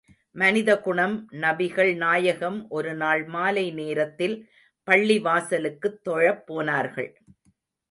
மனித குணம் நபிகள் நாயகம் ஒருநாள் மாலைநேரத்தில் பள்ளி வாசலுக்குத் தொழப் போனார்கள்.